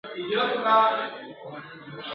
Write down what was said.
لا به تر څو دا سرې مرمۍ اورېږي!.